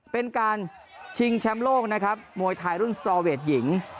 เป็นการชิงแชมป์โลกนะครับมวยไทยรุ่นสตรอเวทหญิง